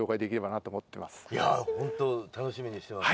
いやホント楽しみにしてます。